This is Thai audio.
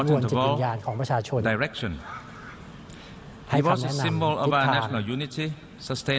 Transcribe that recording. แรกที่สูงความสงสัยในชุดที่เราเกิดวิกฤษในประเทศไทย